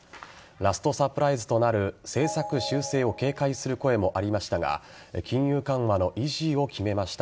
ラストサプライズとなる政策修正を警戒する声もありましたが金融緩和の維持を決めました。